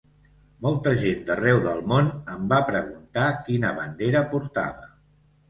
Molta gent d’arreu del món em va preguntar quina bandera portava.